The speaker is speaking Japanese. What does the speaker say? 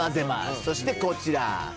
そしてこちら。